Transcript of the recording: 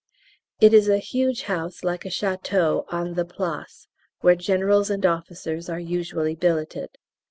It is a huge house like a Château, on the Place, where Generals and officers are usually billeted.